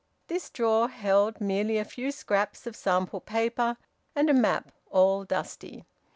This drawer held merely a few scraps of sample paper, and a map, all dusty.